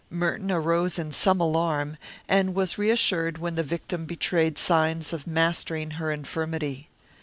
Merton arose in some alarm, and was reassured when the victim betrayed signs of mastering her infirmity.